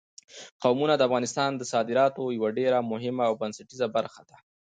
قومونه د افغانستان د صادراتو یوه ډېره مهمه او بنسټیزه برخه ده.